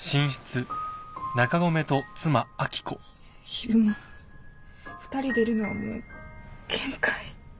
昼間２人でいるのはもう限界。